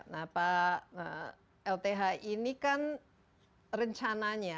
nah pak lth ini kan rencananya